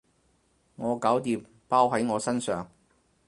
我搞掂，包喺我身上